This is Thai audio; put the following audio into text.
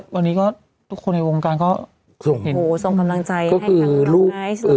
วันนี้ก็ทุกคนในวงการก็ส่งกำลังใจก็คือลูก